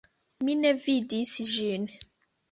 Mi ne vidis ĝin.